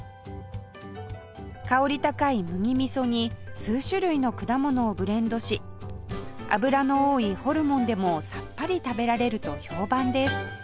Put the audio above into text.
香り高い麦味噌に数種類の果物をブレンドし脂の多いホルモンでもさっぱり食べられると評判です